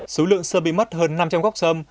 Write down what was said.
số lượng sâm bị mất hơn năm trăm linh góc sâm